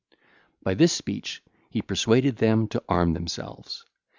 (ll. 160 167) By this speech he persuaded them to arm themselves.